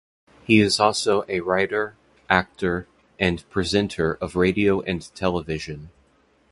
He is also a writer, actor, and presenter of radio and television.